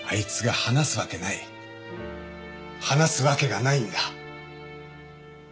話すわけがないんだ。